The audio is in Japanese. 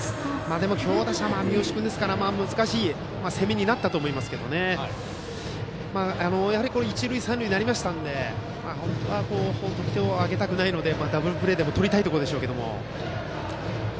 強打者の三好君ですから難しい攻めになったと思いますがやはり一塁三塁になりましたのでもう１点もあげたくないのでダブルプレーでもとりたいところでしょうけど。